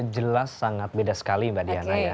jelas sangat beda sekali mbak diana ya